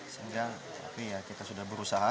sehingga kita sudah berusaha